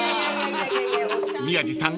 ［宮治さん